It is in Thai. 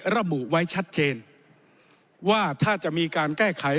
ระบุไว้ชัดเจนว่าถ้าจะมีการแก้ไข